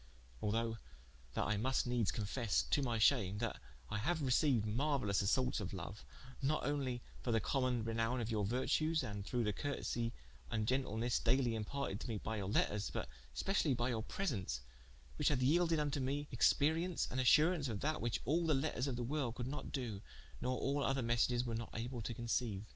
Although that I must needes confesse (to my shame) that I haue receiued marueilous assaultes of loue, not onely for the common renowme of your vertues, and through the curtesie and gentlenesse dayly imparted to me by your letters, but specially by your presence, whiche hath yelded vnto me experience and assuraunce of that, whiche all the letters of the world could not do, nor all other messages were not able to conceiue.